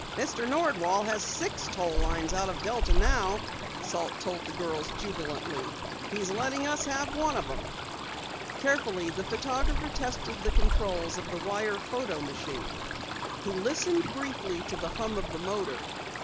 "Mr. Nordwall has six toll lines out of Delta now," Salt told the girls jubilantly. "He's letting us have one of them." Carefully the photographer tested the controls of the wire photo machine. He listened briefly to the hum of the motor.